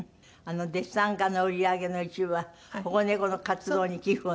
デッサン画の売り上げの一部は保護猫の活動に寄付をなすって。